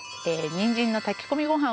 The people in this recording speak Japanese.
にんじんの炊き込みご飯を。